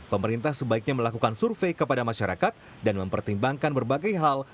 pemerintah sebaiknya melakukan survei kepada masyarakat dan mempertimbangkan berbagai hal